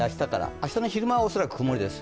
明日の夜は恐らく曇りです。